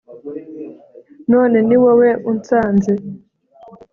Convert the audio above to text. none ni wowe unsanze